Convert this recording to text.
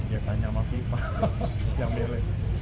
ya tanya sama fifa yang milih